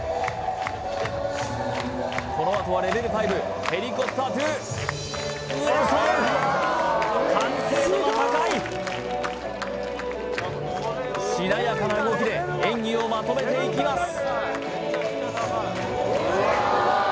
この後はレベル５ヘリコプターｔｏウェンソン完成度が高いしなやかな動きで演技をまとめていきます